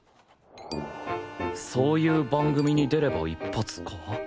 そういう番組に出れば一発か？